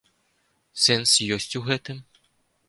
Сэнс ёсць у гэтым?